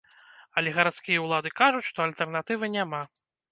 Але гарадскія ўлады кажуць, што альтэрнатывы няма.